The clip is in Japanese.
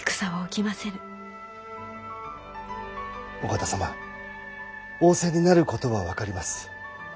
お方様仰せになることは分かります。